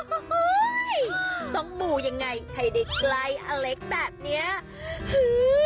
โหต้องหมู่ยังไงให้เด็กไล่อะเล๊กแบบเนี่ย